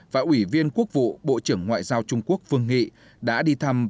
và ủy viên quốc vụ bộ trưởng ngoại giao trung quốc vương nghị đã đi thăm